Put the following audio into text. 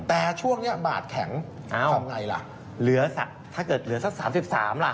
แต่ช่วงนี้บาทแข็งเอาทำไงล่ะเหลือสักถ้าเกิดเหลือสักสามสิบสามล่ะ